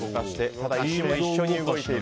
ただ、石も一緒に動いている。